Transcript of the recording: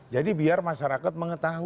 jadi biar masyarakat mengetahui